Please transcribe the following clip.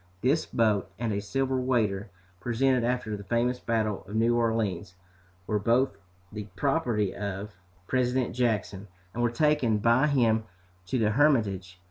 This boat, and a silver waiter, presented after the famous battle of New Orleans, were both the property of President Jackson, and were taken by him to the Hermitage.